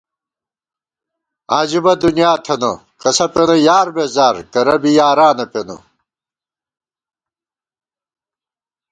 عجیبہ دُنیا تھنہ، کسہ پېنہ یار بېزار کرہ بی یارانہ پېنہ